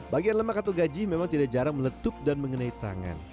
bagian lemak atau gaji memang tidak jarang meletup dan mengenai tangan